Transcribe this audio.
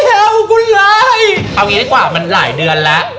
เอากูเลยเอางี้ดีกว่ามันหลายเดือนแล้ว